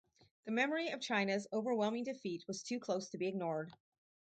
The memory of China's overwhelming defeat was too close to be ignored.